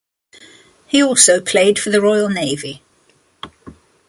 He also played for the Royal Navy.